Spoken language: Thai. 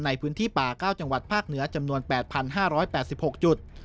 ในพื้นที่ป่า๙จังหวัดภาคเหนือจำนวน๘๕๘๖จุด